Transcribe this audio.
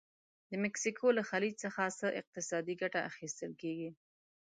د مکسیکو له خلیج څخه څه اقتصادي ګټه اخیستل کیږي؟